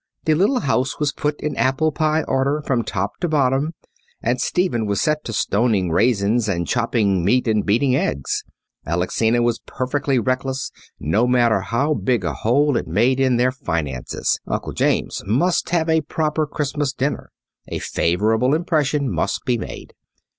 The little house was put in apple pie order from top to bottom, and Stephen was set to stoning raisins and chopping meat and beating eggs. Alexina was perfectly reckless; no matter how big a hole it made in their finances Uncle James must have a proper Christmas dinner. A favourable impression must be made.